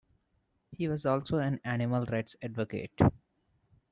He was also an animal rights advocate.